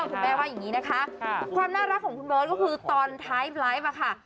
คุณแม่ว่าอย่างนี้นะคะความน่ารักของคุณเบิร์ตก็คือตอนท้ายไลฟ์อะค่ะ